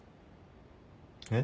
えっ？